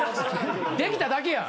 できただけや。